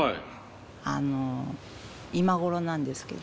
あの今頃なんですけど。